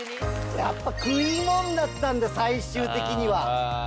やっぱ食いもんだったんで最終的には。